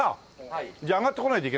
じゃあ上がってこないといけないね。